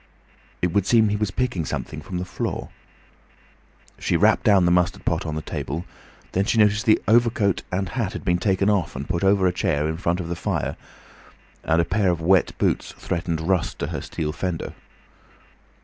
It would seem he was picking something from the floor. She rapped down the mustard pot on the table, and then she noticed the overcoat and hat had been taken off and put over a chair in front of the fire, and a pair of wet boots threatened rust to her steel fender.